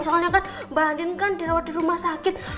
soalnya kan bangunin kan dirawat di rumah sakit